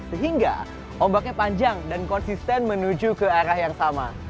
sehingga ombaknya panjang dan konsisten menuju ke arah yang sama